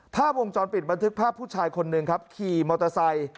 ภาพวงจรปิดบันทึกภาพผู้ชายคนหนึ่งครับขี่มอเตอร์ไซค์